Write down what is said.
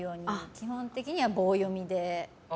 基本的には棒読みで。